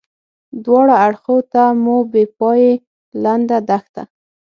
دواړه اړخو ته مو بې پایې لنده دښته.